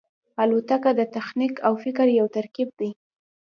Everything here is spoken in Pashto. الوتکه د تخنیک او فکر یو ترکیب دی.